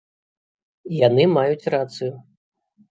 І яны маюць рацыю.